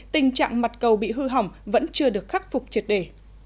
tình trạng mặt cầu bị hư hỏng vẫn chưa được khắc phục triệt đề